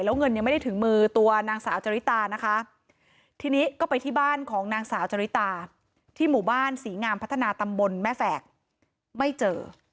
แล้วเงินยังไม่ได้ถึงมือตัวนางสาวจริตานะคะทีนี้ก็ไปที่บ้านของนางสาวจริตาที่หมู่บ้านศรีงามพัฒนาตำบลแม่แฝกไม่เจอ